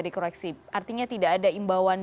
dikoreksi artinya tidak ada imbauan